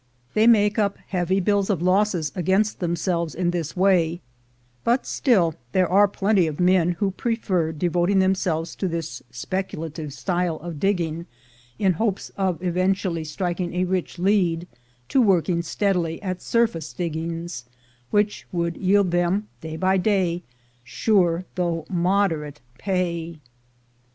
They make up heavy bills of losses against them selves in this way, but still there are plenty of men who prefer devoting themselves to this speculative style ON THE TRAIL 187 of digging, in hopes of eventually striking a rich lead, to working steadily at surface diggings, which would yield them, day by day, sure though moderate pay.